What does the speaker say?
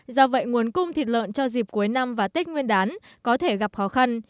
do vậy nguồn cung thịt lợn cho dịp cuối năm và tết nguyên đán có thể gặp khó khăn